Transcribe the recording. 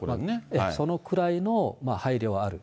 そのくらいの配慮はある。